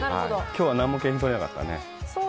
今日は何も景品なかったね。